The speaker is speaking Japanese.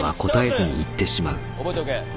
覚えておけ。